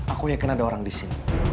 aku yakin ada orang di sini